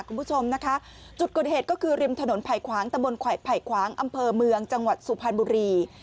คุณผู้ชมนะคะจุดเกิดเหตุก็คือริมถนนไผ่ขวางตะบนไผ่ขวางอำเภอเมืองจังหวัดสุพรรณบุรี